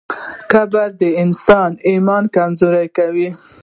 کبر د انسان ایمان کمزوری کوي.